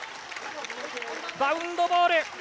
バウンドボール！